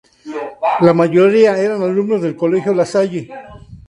La mayoría eran alumnos del Colegio "La Salle".